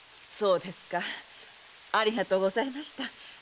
そうですかありがとうございました。